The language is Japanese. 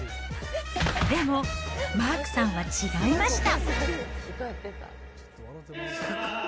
でも、マークさんは違いました。